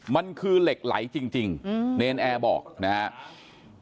มันคือเหล็กไหลจริงเนรนแอร์บอกนะครับ